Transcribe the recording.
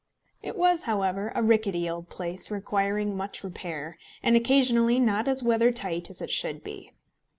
It was, however, a rickety old place, requiring much repair, and occasionally not as weather tight as it should be.